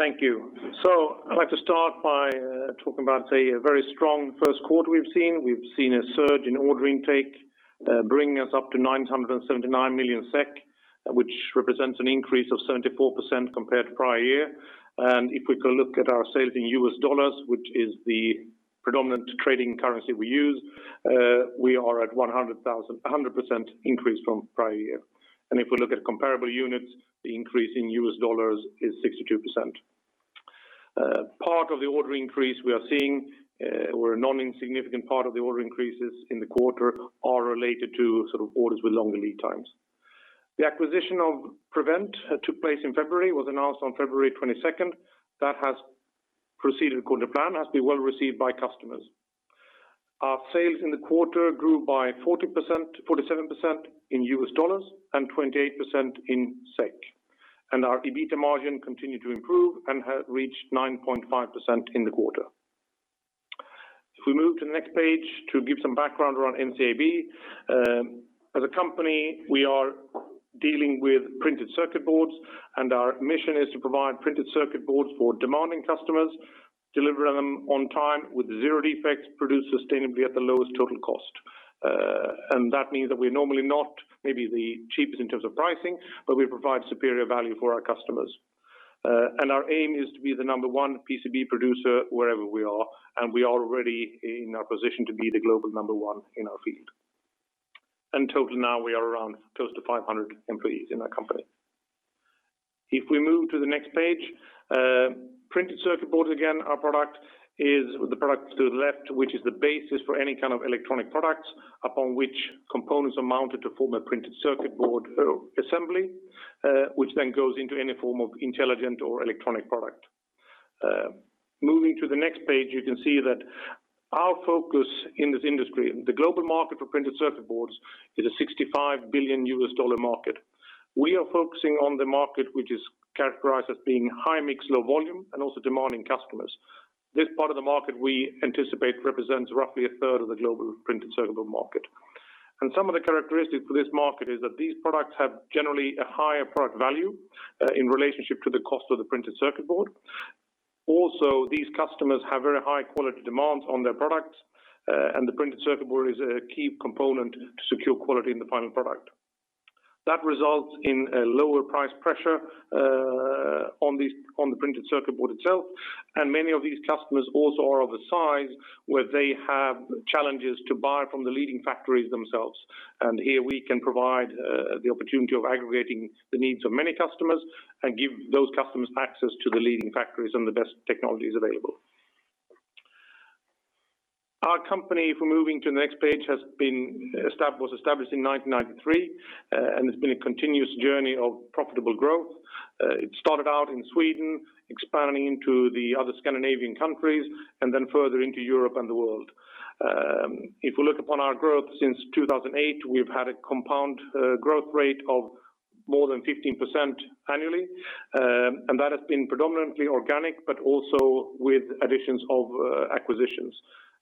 Thank you. I'd like to start by talking about a very strong first quarter we've seen. We've seen a surge in order intake, bringing us up to 979 million SEK, which represents an increase of 74% compared to prior year. If we can look at our sales in US dollars, which is the predominant trading currency we use, we are at 100% increase from prior year. If we look at comparable units, the increase in US dollars is 62%. Part of the order increase we are seeing, or a non-insignificant part of the order increases in the quarter are related to sort of orders with longer lead times. The acquisition of Prevent took place in February, was announced on February 22nd. That has proceeded according to plan, has been well received by customers. Our sales in the quarter grew by 47% in USD and 28% in SEK, our EBITDA margin continued to improve and has reached 9.5% in the quarter. If we move to the next page to give some background around NCAB. As a company, we are dealing with printed circuit boards, our mission is to provide printed circuit boards for demanding customers, deliver them on time with zero defects, produced sustainably at the lowest total cost. That means that we're normally not maybe the cheapest in terms of pricing, but we provide superior value for our customers. Our aim is to be the number one PCB producer wherever we are, and we are already in a position to be the global number one in our field. In total, now we are around close to 500 employees in our company. If we move to the next page. Printed circuit boards, again, our product is the product to the left, which is the basis for any kind of electronic products upon which components are mounted to form a printed circuit board assembly, which then goes into any form of intelligent or electronic product. Moving to the next page, you can see that our focus in this industry, the global market for printed circuit boards, is a $65 billion market. We are focusing on the market, which is characterized as being high-mix, low-volume, and also demanding customers. This part of the market, we anticipate, represents roughly a third of the global printed circuit board market. Some of the characteristics for this market is that these products have generally a higher product value in relationship to the cost of the printed circuit board. Also, these customers have very high-quality demands on their products, and the printed circuit board is a key component to secure quality in the final product. That results in a lower price pressure on the printed circuit board itself, and many of these customers also are of a size where they have challenges to buy from the leading factories themselves. Here we can provide the opportunity of aggregating the needs of many customers and give those customers access to the leading factories and the best technologies available. Our company, if we are moving to the next page, was established in 1993, and it has been a continuous journey of profitable growth. It started out in Sweden, expanding into the other Scandinavian countries and then further into Europe and the world. We look upon our growth since 2008, we've had a compound growth rate of more than 15% annually, that has been predominantly organic, but also with additions of acquisitions.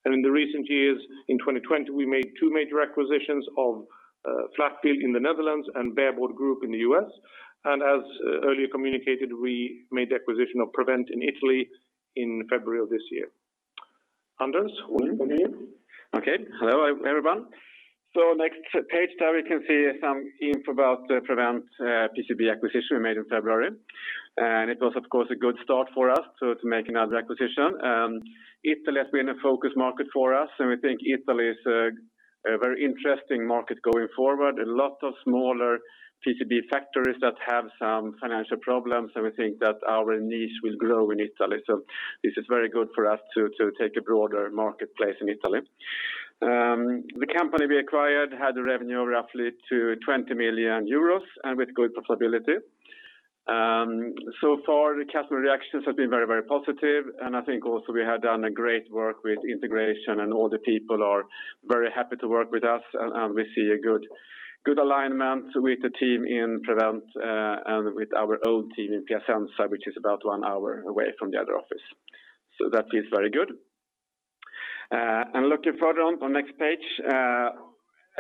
In the recent years, in 2020, we made two major acquisitions of Flatfield in the Netherlands and Bare Board Group in the U.S. As earlier communicated, we made the acquisition of Prevent in Italy in February of this year. Anders, over to you. Okay. Hello, everyone. Next page there, we can see some info about the Prevent PCB acquisition we made in February. It was, of course, a good start for us to make another acquisition. Italy has been a focus market for us, and we think Italy is a very interesting market going forward. A lot of smaller PCB factories that have some financial problems, and we think that our niche will grow in Italy. This is very good for us to take a broader marketplace in Italy. The company we acquired had a revenue of roughly to €20 million and with good profitability. Far, the customer reactions have been very positive, and I think also we have done great work with integration and all the people are very happy to work with us, and we see a good alignment with the team in Prevent and with our own team in Piacenza, which is about one hour away from the other office. That feels very good. Looking further on the next page,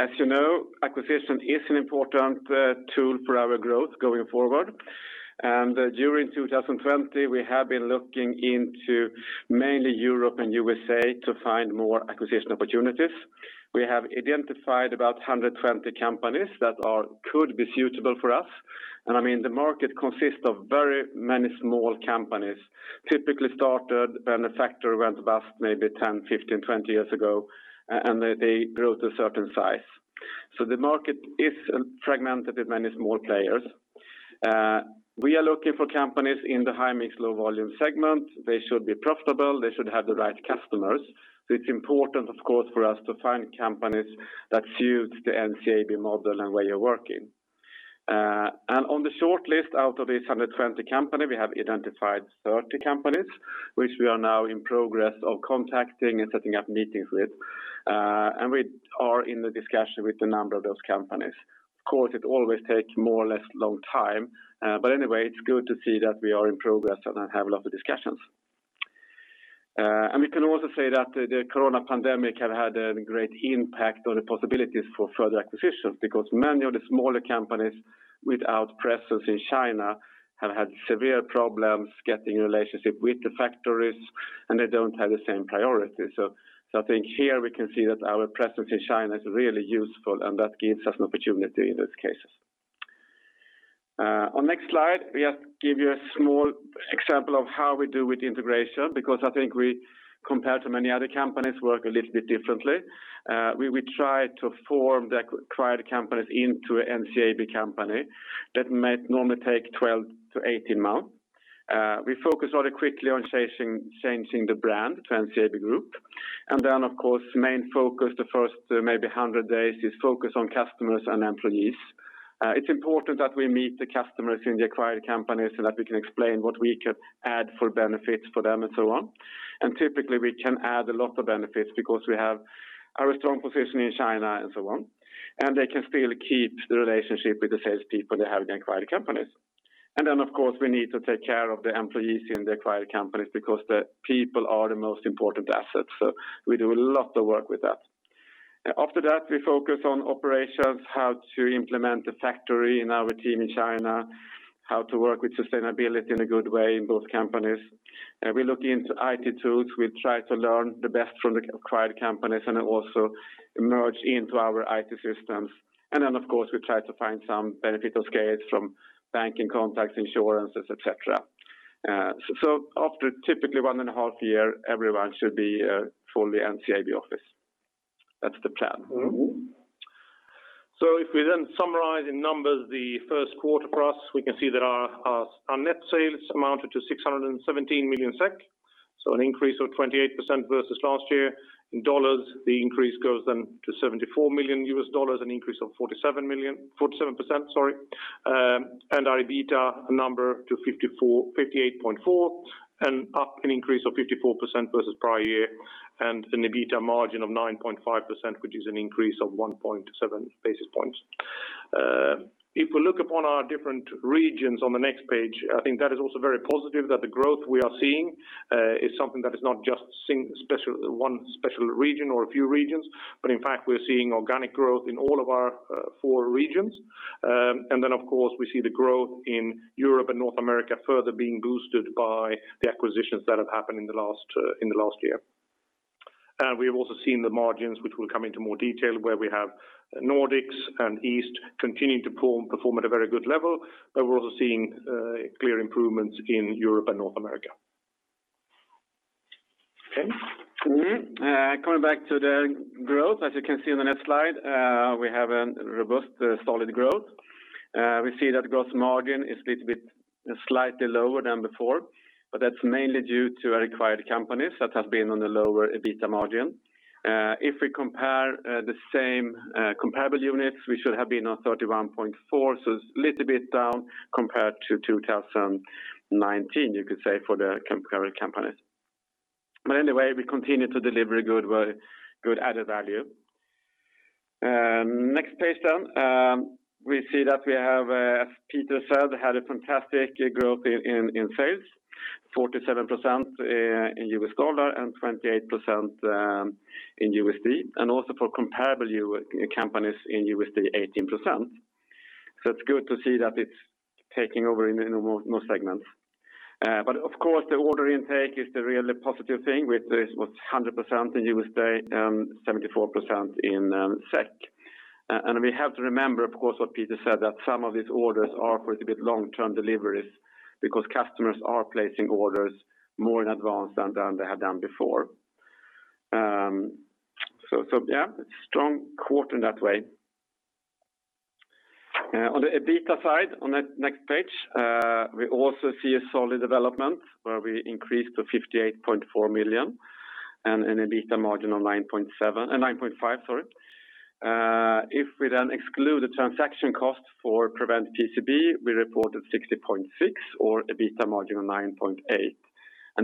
as you know, acquisition is an important tool for our growth going forward. During 2020, we have been looking into mainly Europe and U.S.A. to find more acquisition opportunities. We have identified about 120 companies that could be suitable for us. I mean, the market consists of very many small companies, typically started when a factory went bust maybe 10, 15, 20 years ago, and they grew to a certain size. The market is fragmented with many small players. We are looking for companies in the high-mix, low-volume segment. They should be profitable. They should have the right customers. It's important, of course, for us to find companies that suit the NCAB model and where you're working. On the short list, out of these 120 companies, we have identified 30 companies, which we are now in progress of contacting and setting up meetings with. We are in the discussion with a number of those companies. Of course, it always takes more or less long time. Anyway, it's good to see that we are in progress and have a lot of discussions. We can also say that the COVID pandemic have had a great impact on the possibilities for further acquisitions because many of the smaller companies without presence in China have had severe problems getting a relationship with the factories, and they don't have the same priority. I think here we can see that our presence in China is really useful and that gives us an opportunity in those cases. On next slide, we give you a small example of how we do with integration because I think we, compared to many other companies, work a little bit differently. We try to form the acquired companies into an NCAB company that might normally take 12-18 months. We focus very quickly on changing the brand to NCAB Group. Then, of course, main focus the first maybe 100 days is focus on customers and employees. It's important that we meet the customers in the acquired companies so that we can explain what we could add for benefits for them and so on. Typically, we can add a lot of benefits because we have our strong position in China and so on, and they can still keep the relationship with the salespeople they have in acquired companies. Of course, we need to take care of the employees in the acquired companies because the people are the most important assets. We do a lot of work with that. After that, we focus on operations, how to implement the factory in our team in China, how to work with sustainability in a good way in both companies. We look into IT tools. We try to learn the best from the acquired companies and also merge into our IT systems. Of course, we try to find some benefit of scales from banking contacts, insurances, et cetera. After typically one and a half year, everyone should be fully NCAB office. That's the plan. If we then summarize in numbers the first quarter for us, we can see that our net sales amounted to 617 million SEK, so an increase of 28% versus last year. In dollars, the increase goes then to $74 million, an increase of 47%. Our EBITDA number to 58.4, and up an increase of 54% versus prior year, and an EBITDA margin of 9.5%, which is an increase of 1.7 basis points. If we look upon our different regions on the next page, I think that is also very positive that the growth we are seeing is something that is not just one special region or a few regions, but in fact, we're seeing organic growth in all of our four regions. Of course, we see the growth in Europe and North America further being boosted by the acquisitions that have happened in the last year. We have also seen the margins which we'll come into more detail where we have Nordics and East continuing to perform at a very good level. We're also seeing clear improvements in Europe and North America. Ken? Coming back to the growth, as you can see on the next slide, we have a robust, solid growth. We see that gross margin is a little bit slightly lower than before, but that's mainly due to our acquired companies that have been on a lower EBITDA margin. If we compare the same comparable units, we should have been on 31.4%, so it's little bit down compared to 2019, you could say, for the comparable companies. Anyway, we continue to deliver good added value. Next page, we see that we have, as Peter said, had a fantastic growth in sales, 47% in US dollar and 28% in USD, and also for comparable companies in USD, 18%. It's good to see that it's taking over in most segments. Of course, the order intake is the really positive thing with this, was 100% in USD and 74% in SEK. We have to remember, of course, what Peter said, that some of these orders are for a bit long-term deliveries because customers are placing orders more in advance than they have done before. Yeah, strong quarter in that way. On the EBITDA side, on the next page, we also see a solid development where we increased to 58.4 million and an EBITDA margin of 9.5%. If we then exclude the transaction cost for Prevent PCB, we reported 60.6 or EBITDA margin of 9.8%.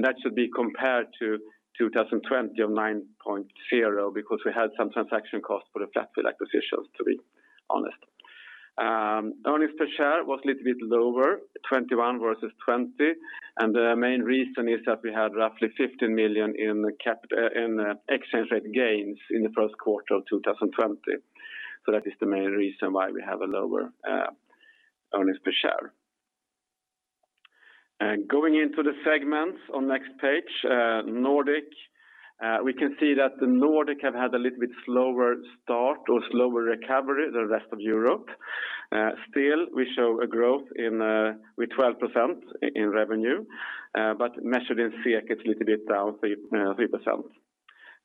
That should be compared to 2020 of 9.0% because we had some transaction costs for the Flatfield acquisitions, to be honest. Earnings per share was a little bit lower, 21 versus 20, and the main reason is that we had roughly 15 million in exchange rate gains in the first quarter of 2020. That is the main reason why we have a lower earnings per share. Going into the segments on next page, Nordic. We can see that the Nordic have had a little bit slower start or slower recovery the rest of Europe. Still, we show a growth with 12% in revenue. Measured in SEK, it's a little bit down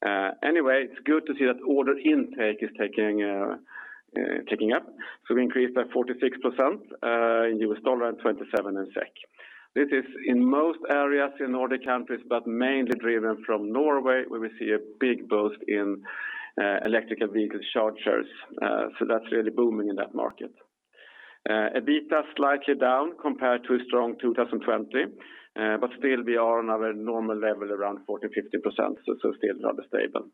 3%. Anyway, it's good to see that order intake is ticking up. We increased by 46% in USD and 27% in SEK. This is in most areas in Nordic countries, but mainly driven from Norway, where we see a big boost in electrical vehicle chargers. That's really booming in that market. EBITDA slightly down compared to a strong 2020. Still we are on our normal level around 40%-50%, so still rather stable.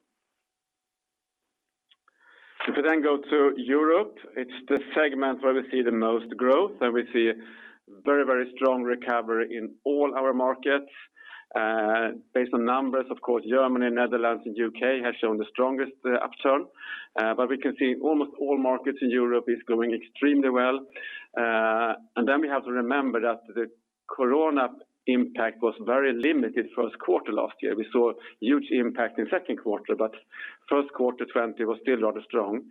If we then go to Europe, it's the segment where we see the most growth, and we see very strong recovery in all our markets. Based on numbers, of course, Germany, Netherlands, and U.K. have shown the strongest upturn. We can see almost all markets in Europe is growing extremely well. We have to remember that the corona impact was very limited first quarter last year. We saw huge impact in second quarter, but first quarter 2020 was still rather strong.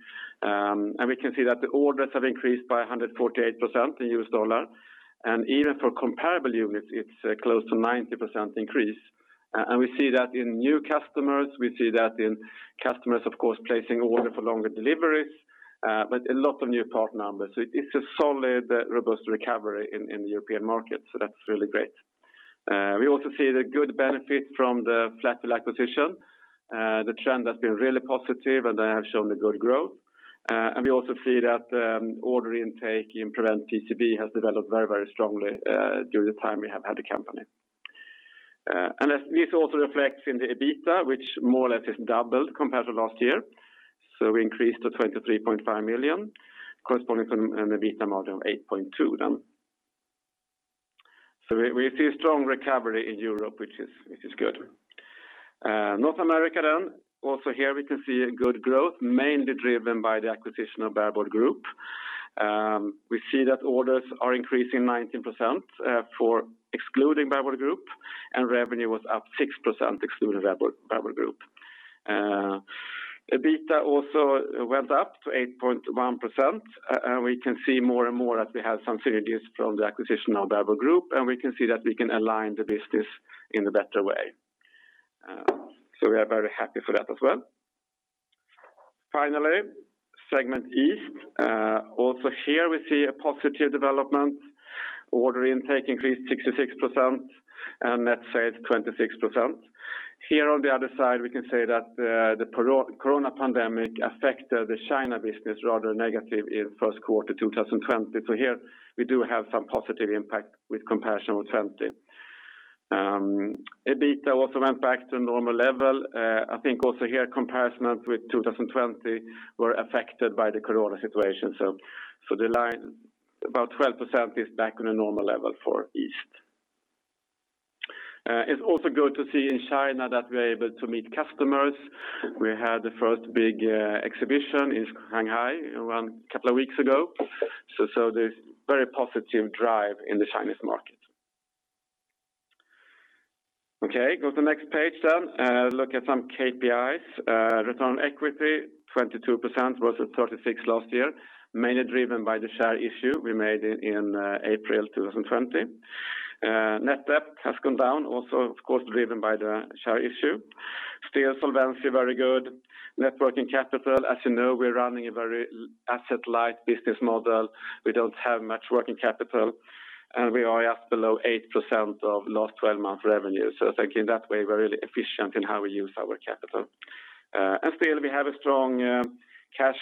We can see that the orders have increased by 148% in U.S. dollar, and even for comparable units, it's close to 90% increase. We see that in new customers, we see that in customers, of course, placing order for longer deliveries, but a lot of new part numbers. It's a solid, robust recovery in the European market. That's really great. We also see the good benefit from the Flatfield acquisition. The trend has been really positive and have shown a good growth. We also see that order intake in Prevent PCB has developed very strongly during the time we have had the company. This also reflects in the EBITDA, which more or less has doubled compared to last year. We increased to 23.5 million, corresponding from an EBITDA margin of 8.2. We see a strong recovery in Europe, which is good. North America, also here we can see a good growth, mainly driven by the acquisition of Bare Board Group. We see that orders are increasing 19% for excluding Bare Board Group, and revenue was up 6% excluding Bare Board Group. EBITDA also went up to 8.1%, and we can see more and more that we have some synergies from the acquisition of Bare Board Group, and we can see that we can align the business in a better way. We are very happy for that as well. Finally, segment East. Also here we see a positive development. Order intake increased 66%, and net sales 26%. Here on the other side, we can say that the corona pandemic affected the China business rather negative in first quarter 2020. Here we do have some positive impact with comparison with 2020. EBITDA also went back to normal level. I think also here comparison with 2020 were affected by the corona situation. The line about 12% is back on a normal level for East. It's also good to see in China that we're able to meet customers. We had the first big exhibition in Shanghai around a couple of weeks ago. There's very positive drive in the Chinese market. Okay, go to the next page then. Look at some KPIs. Return on equity, 22% versus 36 last year, mainly driven by the share issue we made in April 2020. Net debt has come down also, of course, driven by the share issue. Still solvency very good. Net working capital, as you know, we're running a very asset light business model. We don't have much working capital, and we are just below 8% of last 12-month revenue. I think in that way, we're really efficient in how we use our capital. Still we have a strong cash,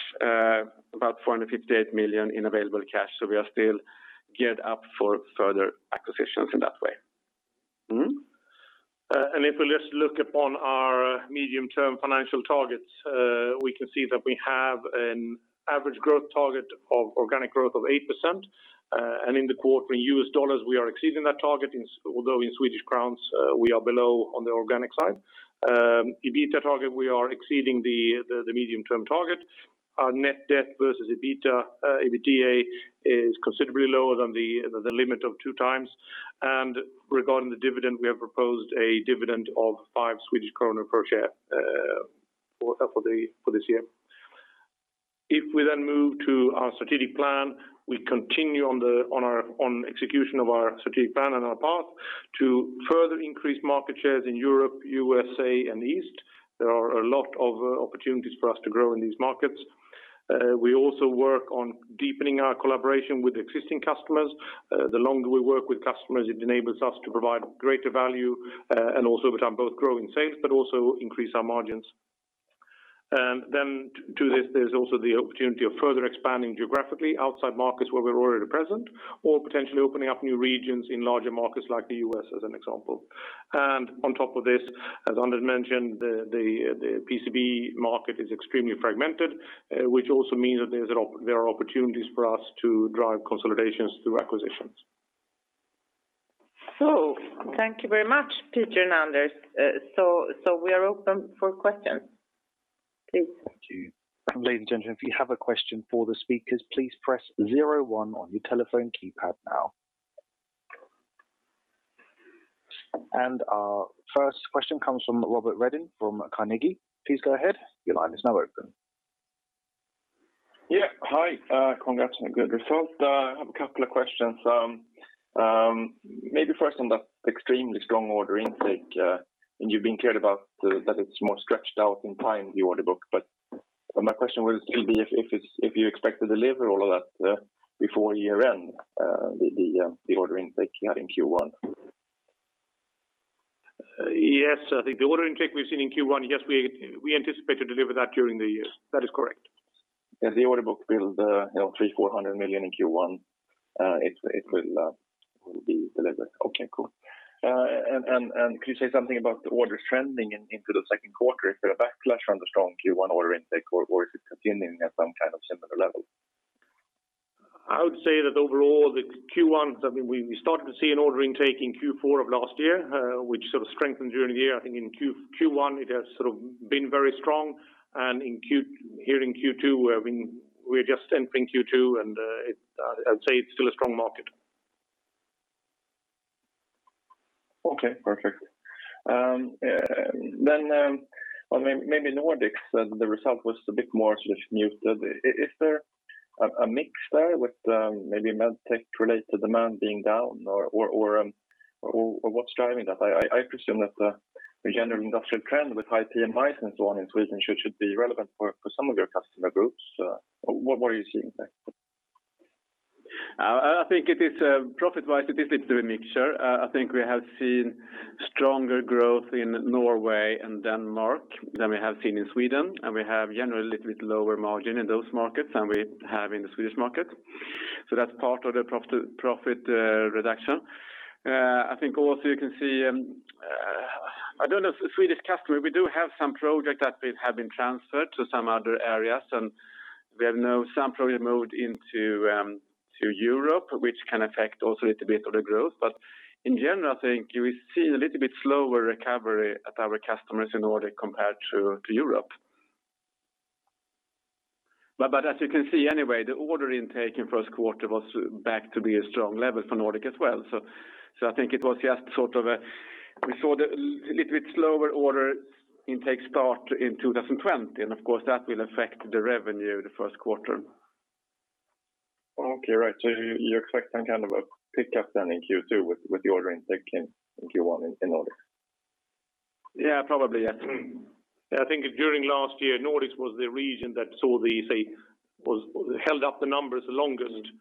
about 458 million in available cash, so we are still geared up for further acquisitions in that way. If we just look upon our medium-term financial targets, we can see that we have an average growth target of organic growth of 8%. In the quarter, in $, we are exceeding that target, although in SEK, we are below on the organic side. EBITDA target, we are exceeding the medium-term target. Our net debt versus EBITDA is considerably lower than the limit of two times. Regarding the dividend, we have proposed a dividend of five SEK per share for this year. If we then move to our strategic plan, we continue on execution of our strategic plan and our path to further increase market shares in Europe, USA, and the East. There are a lot of opportunities for us to grow in these markets. We also work on deepening our collaboration with existing customers. The longer we work with customers, it enables us to provide greater value, and also over time, both growing sales, but also increase our margins. To this, there's also the opportunity of further expanding geographically outside markets where we're already present or potentially opening up new regions in larger markets like the U.S., as an example. On top of this, as Anders mentioned, the PCB market is extremely fragmented, which also means that there are opportunities for us to drive consolidations through acquisitions. Thank you very much, Peter and Anders. We are open for questions. Please. Thank you. Ladies and gentlemen, if you have a question for the speakers, please press zero, one on your telephone keypad now. Our first question comes from Robert Redin from Carnegie. Please go ahead. Your line is now open. Yeah. Hi. Congrats on a good result. I have a couple of questions. Maybe first on that extremely strong order intake, and you've been clear that it's more stretched out in time, the order book, but my question will still be if you expect to deliver all of that before year end, the order intake you had in Q1? Yes. I think the order intake we've seen in Q1, yes, we anticipate to deliver that during the year. That is correct. Yeah, the order book build 300 million-400 million in Q1. It will be delivered. Okay, cool. Could you say something about the orders trending into the second quarter? Is there a backlash on the strong Q1 order intake, or is it continuing at some kind of similar level? I would say that overall, the Q1, we started to see an order intake in Q4 of last year, which sort of strengthened during the year. I think in Q1 it has sort of been very strong and here in Q2, we're just entering Q2, and I'd say it's still a strong market. Okay, perfect. Maybe Nordics, the result was a bit more sort of muted. Is there a mix there with maybe medtech related demand being down or what's driving that? I presume that the general industrial trend with high PMIs and so on in Sweden should be relevant for some of your customer groups. What are you seeing there? I think profit-wise it is a little bit mixture. I think we have seen stronger growth in Norway and Denmark than we have seen in Sweden, and we have generally a little bit lower margin in those markets than we have in the Swedish market. That's part of the profit reduction. I think also you can see, I don't know if Swedish customer, we do have some projects that have been transferred to some other areas, and we have now some probably moved into Europe, which can affect also a little bit of the growth. In general, I think you will see a little bit slower recovery at our customers in order compared to Europe. As you can see anyway, the order intake in first quarter was back to be a strong level for Nordic as well. I think it was just sort of a, we saw the little bit slower order intake start in 2020, and of course that will affect the revenue the first quarter. Okay, right. You expect some kind of a pickup then in Q2 with the order intake in Q1 in Nordics? Yeah, probably. Yes. I think during last year, Nordics was the region that held up the numbers the longest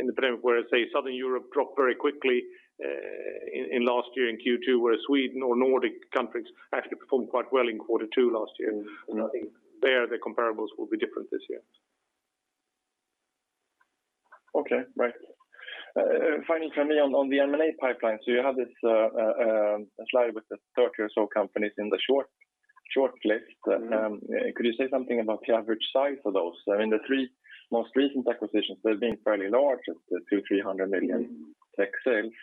in the pandemic, whereas Southern Europe dropped very quickly in last year in Q2, where Sweden or Nordic countries actually performed quite well in quarter two last year. I think there the comparables will be different this year. Okay. Right. Finally from me on the M&A pipeline. You have this slide with the 30 or so companies in the shortlist. Could you say something about the average size of those? In the three most recent acquisitions, they've been fairly large at 200 million, 300 million in tech sales.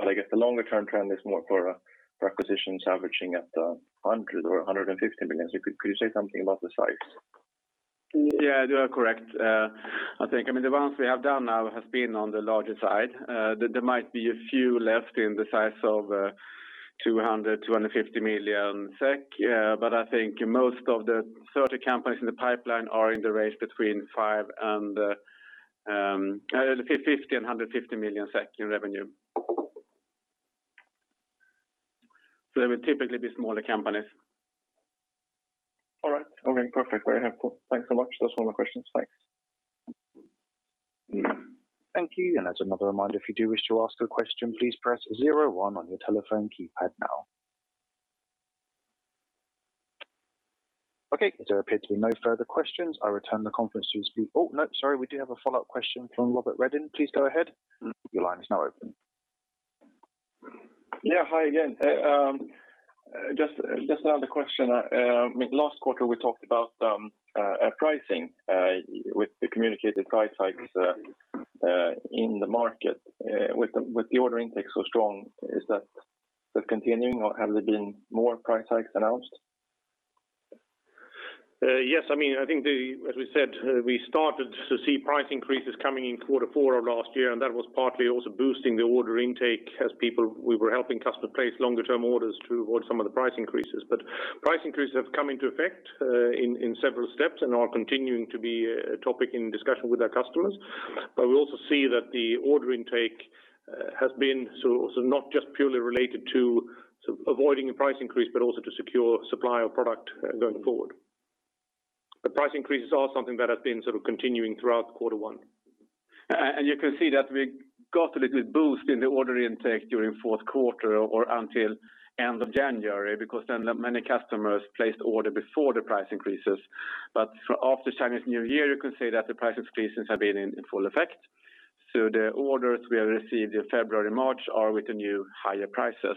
I guess the longer term trend is more for acquisitions averaging at 100 million or 150 million. Could you say something about the size? Yeah, you are correct. I think the ones we have done now has been on the larger side. There might be a few left in the size of 200 million-250 million SEK. I think most of the 30 companies in the pipeline are in the range between 50 million SEK and 150 million SEK in revenue. It would typically be smaller companies. All right. Perfect. Very helpful. Thanks so much. That's all my questions. Thanks. Thank you. As another reminder, if you do wish to ask a question, please press zero one on your telephone keypad now. Okay, there appear to be no further questions. I return the conference to the speaker. No, sorry. We do have a follow-up question from Robert Redin. Please go ahead. Your line is now open. Hi again. Just another question. Last quarter we talked about pricing with the communicated price hikes in the market. With the order intake so strong, is that continuing or have there been more price hikes announced? Yes. I think as we said, we started to see price increases coming in quarter four of last year. That was partly also boosting the order intake as we were helping customers place longer term orders to avoid some of the price increases. Price increases have come into effect in several steps and are continuing to be a topic in discussion with our customers. We also see that the order intake has been not just purely related to avoiding a price increase, but also to secure supply of product going forward. The price increases are something that has been sort of continuing throughout quarter one. You can see that we got a little boost in the order intake during fourth quarter or until end of January because then many customers placed order before the price increases. After Chinese New Year, you can say that the price increases have been in full effect. The orders we have received in February, March are with the new higher prices.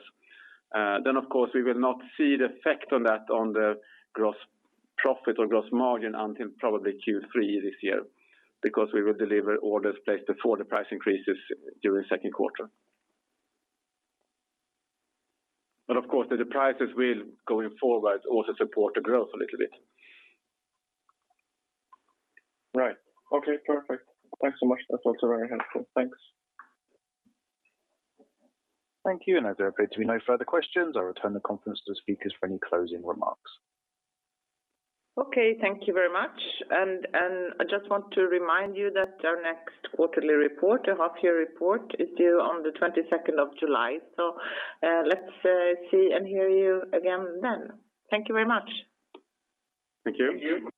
Of course, we will not see the effect on that on the gross profit or gross margin until probably Q3 this year because we will deliver orders placed before the price increases during second quarter. Of course, the prices will going forward also support the growth a little bit. Right. Okay, perfect. Thanks so much. That's also very helpful. Thanks. Thank you. As there appear to be no further questions, I'll return the conference to the speakers for any closing remarks. Okay, thank you very much. I just want to remind you that our next quarterly report, a half year report, is due on the 22nd of July. Let's see and hear you again then. Thank you very much. Thank you.